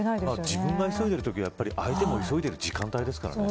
自分が急いでるときは相手も急いでいる時間帯ですからね。